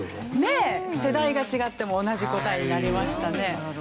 世代が違っても同じ答えになりましたね。